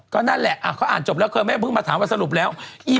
ก็นั่นแหละเขาอ่านจบแล้วเคยแม่เพิ่งมาถามว่าสรุปแล้ว